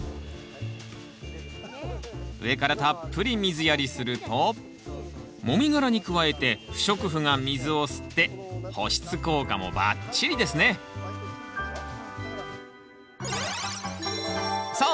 上からたっぷり水やりするともみ殻に加えて不織布が水を吸って保湿効果もバッチリですねさあ